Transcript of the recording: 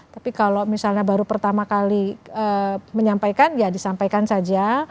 tapi kalau misalnya baru pertama kali menyampaikan ya disampaikan saja